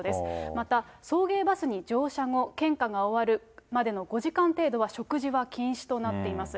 また、送迎バスに乗車後、献花が終わるまでの５時間程度は、食事は禁止となっています。